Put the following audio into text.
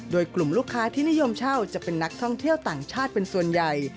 โดยกลุ่มลูกค้าที่นิยมเช่าจะเป็นนักท่องเที่ยวต่างชาติเป็นส่วนใหญ่